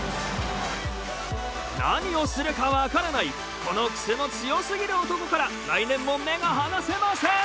何をするかわからないこのクセの強すぎる男から来年も目が離せません！